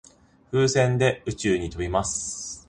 風船で宇宙に飛びます。